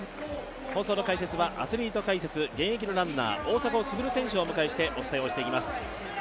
放送の解説はアスリート解説、現役のランナー、大迫傑選手をお迎えしてお伝えしていきます。